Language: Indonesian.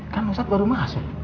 kan ustaz baru masuk